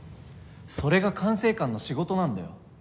それが管制官の仕事なんだよ。